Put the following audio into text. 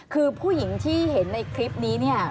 คือผู้หญิงที่เห็นในคลิปนี้เนี่ย